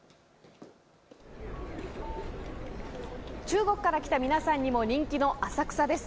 中国から来た皆さんにも人気の浅草です。